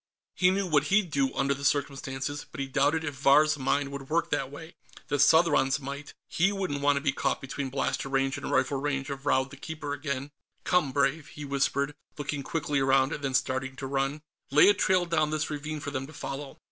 He knew what he'd do, under the circumstances, but he doubted if Vahr's mind would work that way. The Southron's might; he wouldn't want to be caught between blaster range and rifle range of Raud the Keeper again. "Come, Brave," he whispered, looking quickly around and then starting to run. Lay a trail down this ravine for them to follow.